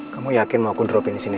kamu yakin mau aku dropin di sini aja